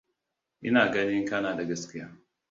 Ina ganin, kana da gaskiya.